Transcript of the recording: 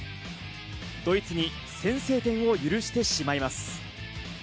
ドイツに先制点を許してしまいます。